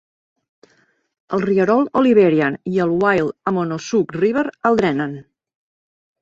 El rierol Oliverian i el Wild Ammonoosuc River el drenen.